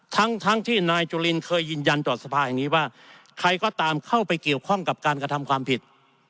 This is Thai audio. ทั้งทั้งที่นายจุลินเคยยืนยันจอดสภาแห่งนี้ว่าใครก็ตามเข้าไปเกี่ยวข้องกับการกระทำความผิด